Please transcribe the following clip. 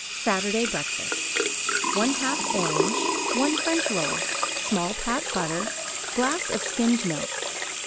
SATURDAY BREAKFAST 1/2 orange; 1 French roll; small pat butter; glass of skimmed milk.